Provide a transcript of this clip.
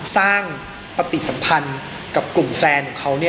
สร้างปฏิสัมพันธ์กับกลุ่มแฟนของเขา